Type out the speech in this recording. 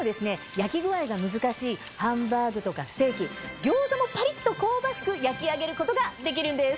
焼き具合が難しいハンバーグとかステーキ餃子もパリっと香ばしく焼き上げることができるんです。